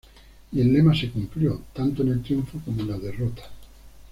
Y el lema se cumplió, tanto en el triunfo como en la derrota.